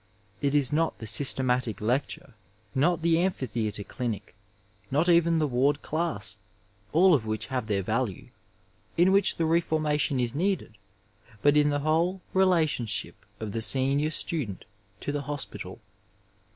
It is not the sjrstematic lecture, not the amphitheatre clinic, not even the ward class— all of which have their value — ^in which the reformation is needed, but in the whole relationship of the senior student to the hospital.